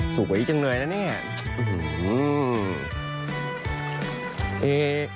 สวยจังเลยนะเนี่ย